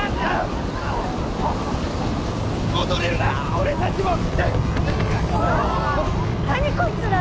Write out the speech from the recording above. あっ戻れるなら俺たちも何こいつら！？